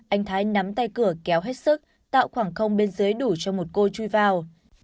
anh thái nắm tay cửa kéo hết sức tạo khoảng không bên dưới đủ cho một cô chui vào